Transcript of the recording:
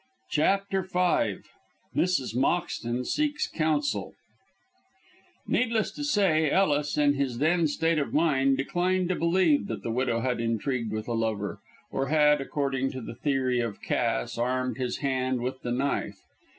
CHAPTER V MRS MOXTON SEEKS COUNSEL Needless to say, Ellis, in his then state of mind, declined to believe that the widow had intrigued with a lover, or had according to the theory of Cass armed his hand with the knife.